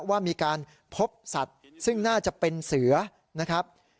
ว่ามีการพบสัตว์ซึ่งน่าจะเป็นเสือนะครับ